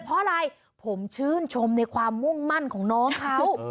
เพราะอะไรผมชื่นชมในความมุ่งมั่นของน้องเขา